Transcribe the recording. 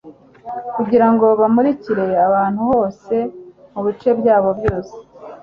kugirango bamurikire ahantu hose mubice byabo byose